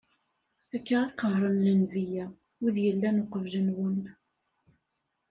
Akka i qehren lenbiya, wid yellan uqbel-nwen.